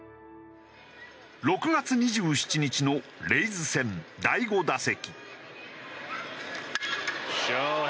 ６月２７日のレイズ戦第５打席。